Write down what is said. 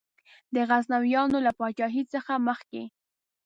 د غزنویانو له پاچهۍ څخه مخکي.